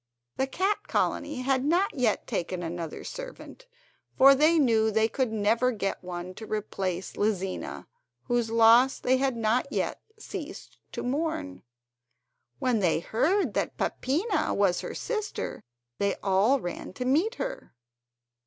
The cat colony had not yet taken another servant, for they knew they could never get one to replace Lizina, whose loss they had not yet ceased to mourn. When they heard that Peppina was her sister, they all ran to meet her.